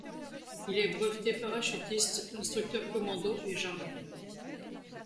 Il est breveté parachutiste, instructeur commando et jungle.